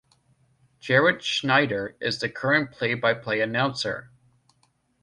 Jaret Schneider is the current play-by-play announcer.